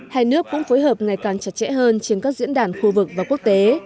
hai nước cũng phối hợp ngày càng chặt chẽ hơn trên các diễn đàn khu vực và quốc tế